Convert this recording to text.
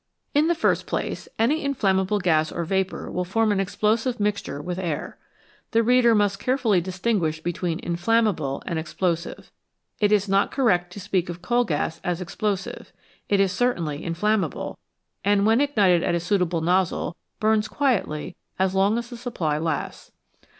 In the first place, any inflammable gas or vapour will form an explosive mixture with air. The reader must carefully distinguish between " inflammable " and " ex plosive "; it is not correct to speak of coal gas as " explosive "; it is certainly inflammable, and when ignited at a suitable nozzle, burns quietly as long as the supply lasts.